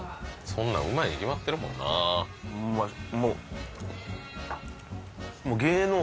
そんなんうまいに決まってるもんなマジ